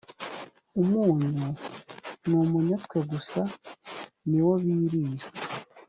umunyu n’umunyotwe gusa niwo birira;